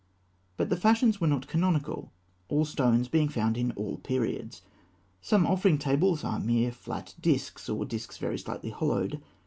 But the fashions were not canonical, all stones being found at all periods. Some offering tables are mere flat discs, or discs very slightly hollowed.